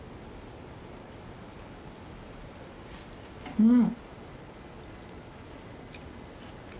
うん！